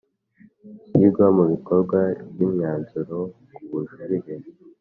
Ishyirwa mu bikorwa ry imyanzuro ku bujurire